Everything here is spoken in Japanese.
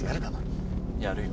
やるよ。